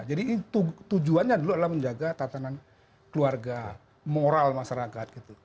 jadi itu tujuannya dulu adalah menjaga tatanan keluarga moral masyarakat